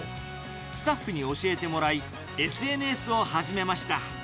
スタッフに教えてもらい、ＳＮＳを始めました。